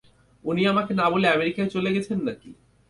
উনি আমাকে না বলে আমেরিকায় চলে গেছেন নাকি?